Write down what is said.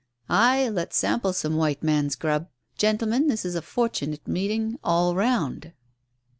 "Ay, let's sample some white man's grub. Gentlemen, this is a fortunate meeting all round."